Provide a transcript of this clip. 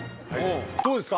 どうですか？